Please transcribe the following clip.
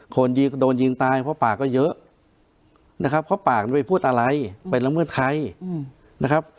คนยิงโดนยิงตายเพราะปากก็เยอะนะครับเพราะปากมันไปพูดอะไรไปละเมิดใครนะครับ